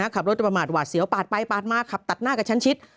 ขับรถประมาทหวาดเสียวปาดไปปาดมาขับตัดหน้ากับชั้นชิด